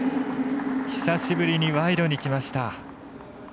久しぶりにワイドにきました。